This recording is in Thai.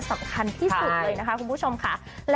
สำคัญที่สุดเลยนะคะคุณผู้ชมค่ะ